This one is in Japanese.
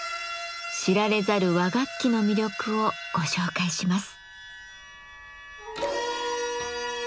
知られざる和楽器の魅力をご紹介します。